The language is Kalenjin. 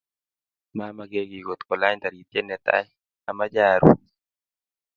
mamakekei kotkolany taritiet netai, amache aruu